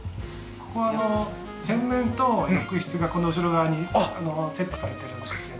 ここはあの洗面と浴室がこの後ろ側にセットされてるんですけど。